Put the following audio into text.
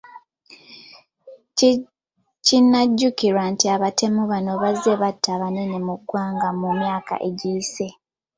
Kinajjukirwa nti abatemu bano bazze batta abanene mu ggwanga mu myaka egiyise .